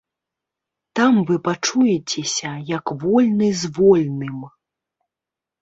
Там вы пачуецеся, як вольны з вольным.